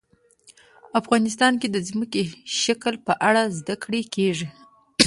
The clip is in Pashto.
افغانستان کې د ځمکنی شکل په اړه زده کړه کېږي.